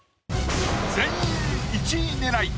全員１位狙い。